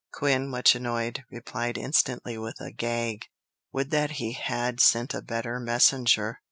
Quin, much annoyed, replied instantly with a "gag"—"Would that he had sent a better messenger."